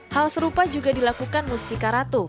hal serupa juga dilakukan mustika ratu